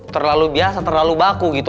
terlalu biasa terlalu baku gitu